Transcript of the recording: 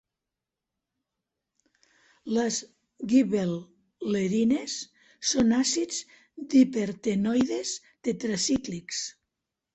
Les Gibbel·lerines són àcids dipertenoides tetracíclics.